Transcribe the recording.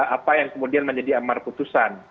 apa yang kemudian menjadi amar putusan